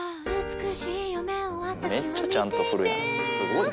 めっちゃちゃんと振るやんすごいね。